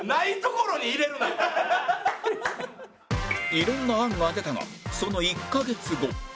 いろんな案が出たがその１カ月後